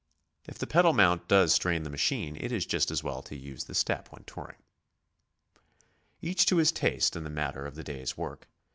If the pedal mount does strain the machine, it is just as well to use the step when touring. Each to his taste in the matter of the day's work.